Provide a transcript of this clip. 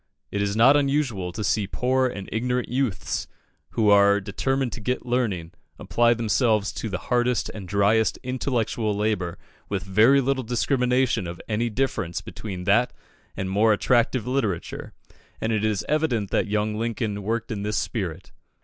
It is not unusual to see poor and ignorant youths who are determined to "get learning," apply themselves to the hardest and dryest intellectual labour with very little discrimination of any difference between that and more attractive literature, and it is evident that young Lincoln worked in this spirit.